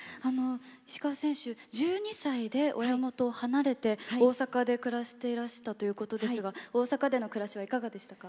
石川選手、１２歳で親元を離れて大阪で暮らしていらしたということですが大阪での暮らしはいかがでしたか。